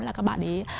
là các bạn ấy